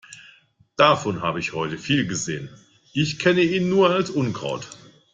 Davon hab ich heute viel gesehen. Ich kenne ihn nur als Unkraut.